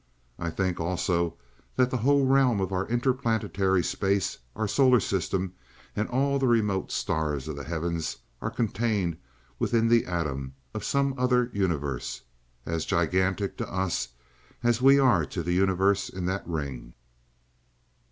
I think, also that the whole realm of our interplanetary space, our solar system and all the remote stars of the heavens are contained within the atom of some other universe as gigantic to us as we are to the universe in that ring."